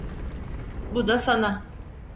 Bu da sana.